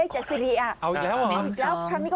ฉันเอาเลยนะ